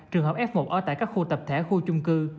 trường hợp f một ở tại các khu tập thể khu chung cư